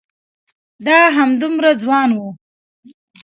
دای همدومره ځوان و.